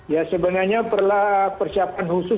ya sebenarnya perlahan persiapan